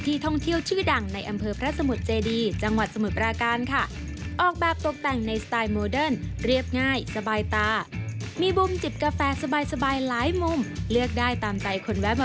ที่ฉันอาศาพาไปชมเอง